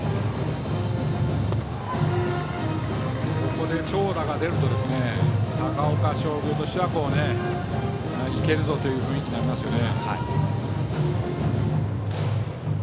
ここで長打が出ると高岡商業としてはいけるぞ！という雰囲気になりますよね。